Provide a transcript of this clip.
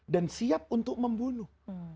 dan siap untuk membunuh